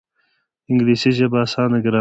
انګلیسي ژبه اسانه ګرامر لري